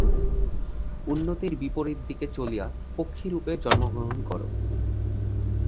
উন্নতির বিপরীত দিকে চলিয়া পক্ষিরূপে জন্মগ্রহণ কর।